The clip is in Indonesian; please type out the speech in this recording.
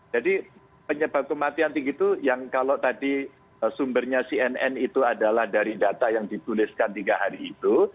jadi penyebab kematian itu yang kalau tadi sumbernya cnn itu adalah dari data yang dituliskan tiga hari itu